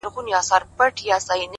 د پامیر لوري یه د ښکلي اریانا لوري!!